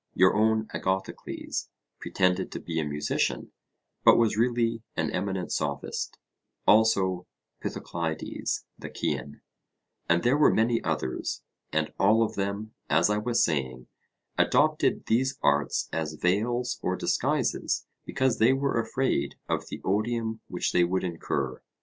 Your own Agathocles pretended to be a musician, but was really an eminent Sophist; also Pythocleides the Cean; and there were many others; and all of them, as I was saying, adopted these arts as veils or disguises because they were afraid of the odium which they would incur.